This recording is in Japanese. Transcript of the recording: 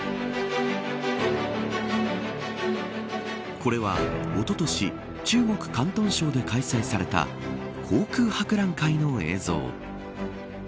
これは、おととし中国広東省で開催された航空博覧会の映像。